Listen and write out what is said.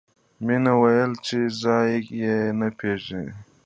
مینې وویل چې ځای یې نه پېژني